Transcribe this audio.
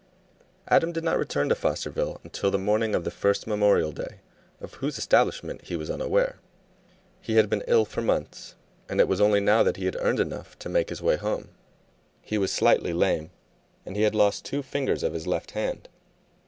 Adam did not return to Fosterville until the morning of the first Memorial Day, of whose establishment he was unaware. He had been ill for months, and it was only now that he had earned enough to make his way home. He was slightly lame, and he had lost two fingers of his left hand.